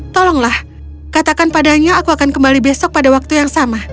tolonglah katakan padanya aku akan kembali besok pada waktu yang sama